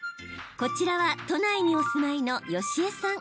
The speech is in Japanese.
こちらは、都内にお住まいのよしえさん。